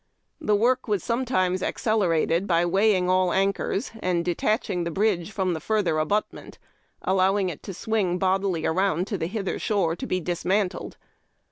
The work was sometimes accelerated by weighing all anchors, and detaching the bridge from the further abutment, allow it to swing bodily around to the hither shore to be dismantled.